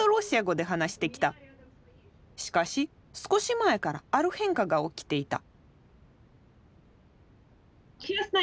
しかし少し前からある変化が起きていた。